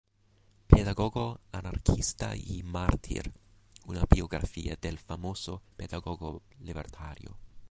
Pedagogo, anarquista y mártir", una biografía del famoso pedagogo libertario.